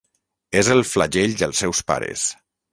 És el flagell dels seus pares.